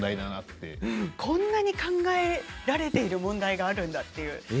こんなに考えられている問題があるんだと。